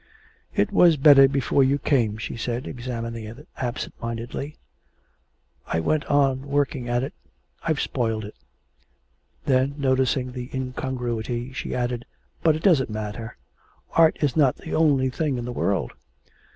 'It was better before you came,' she said, examining it absent mindedly. 'I went on working at it; I've spoiled it.' Then, noticing the incongruity, she added, 'But it doesn't matter. Art is not the only thing in the world.